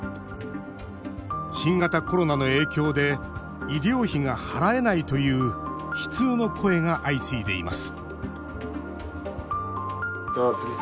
新型コロナの影響で医療費が払えないという悲痛の声が相次いでいます